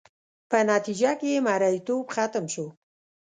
په نتیجه کې یې مریتوب ختم شو.